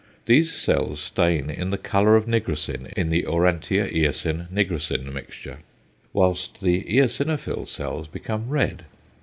These cells stain in the colour of nigrosin in the aurantia eosin nigrosin mixture, whilst the eosinophil cells become red.